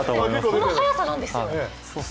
この速さなんですよ。